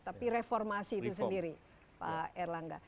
tapi reformasi itu sendiri pak erlangga